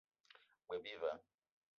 G-beu bi va.